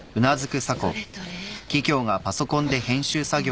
どれどれ。